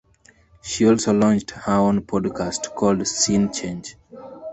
She also launched her own podcast called Scene Change.